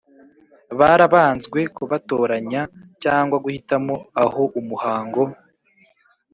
barabanzwe Kubatoranya cyangwa guhitamo aho umuhango